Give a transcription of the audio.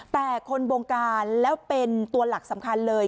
แต่คนบงการแล้วเป็นตัวหลักสำคัญเลย